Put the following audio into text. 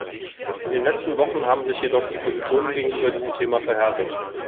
In den letzten Wochen haben sich jedochdie Positionen gegenüber diesem Thema verhärtet.